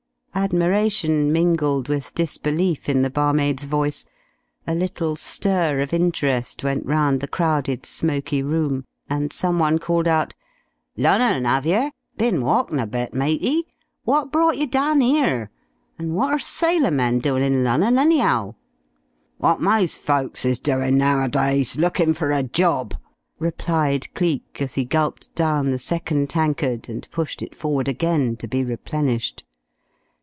Admiration mingled with disbelief in the barmaid's voice. A little stir of interest went round the crowded, smoky room and someone called out: "Lunnon, 'ave yer? Bin walkin' a bit, matey. Wot brought yer dahn 'ere? An' what're sailor men doin' in Lunnon, any'ow?" "Wot most folks is doin' nowadays lookin for a job!" replied Cleek, as he gulped down the second tankard and pushed it forward again to be replenished.